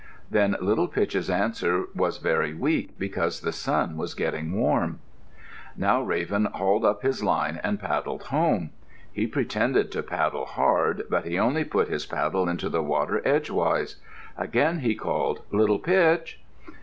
Then Little Pitch's answer was very weak because the sun was getting warm. Now Raven hauled up his line and paddled home. He pretended to paddle hard, but he only put his paddles into the water edgewise. Again he called, "Little Pitch!"